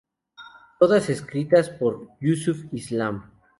Todas escritas por Yusuf Islam.